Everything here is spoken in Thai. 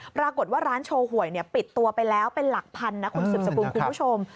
ปรากฏว่าร้านโชว์หวยปิดตัวไปแล้วเป็นหลักพันนะคุณสืบสกุลคุณผู้ชม